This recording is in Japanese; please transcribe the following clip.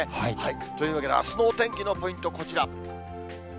というわけで、あすのお天気のポイントこちら。